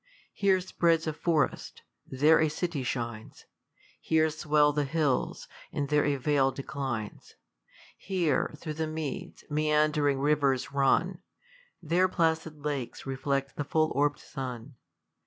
Here spreads a forest ; there a city shines : Here swell ftie hills, and there a vale declines. Here, through the meads, meand'ring rivers run j There placid lakes reflect the full orb'd sun.